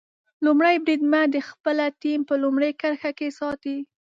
لومړی بریدمن د خپله ټیم په لومړۍ کرښه کې ساتي.